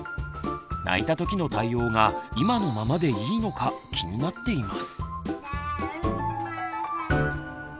泣いたときの対応が今のままでいいのか気になっています。